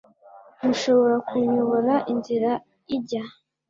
mushobora kunyobora inzira ijya